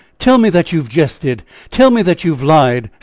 tell me! that you have jested! tell me that you have lied?